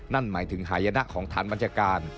นั่นหมายถึงหายนะของฐานบัญชาการ